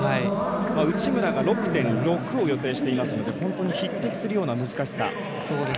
内村が６．６を予定していますので本当に匹敵するような難しさ。